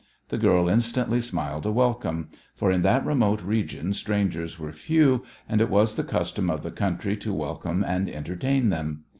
The girl instantly smiled a welcome, for in that remote region strangers were few, and it was the custom of the country to welcome and entertain them.